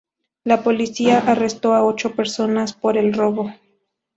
La policía arrestó a ocho personas por el robo.